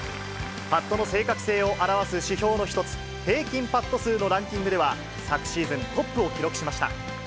パットの正確性を表す指標の一つ、平均パット数のランキングでは、昨シーズン、トップを記録しました。